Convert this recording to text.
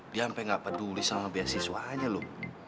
dia ampe gak peduli sama beasiswanya lu